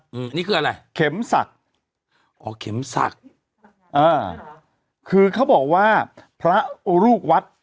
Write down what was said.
อืมนี่คืออะไรเข็มศักดิ์อ๋อเข็มศักดิ์อ่าคือเขาบอกว่าพระลูกวัด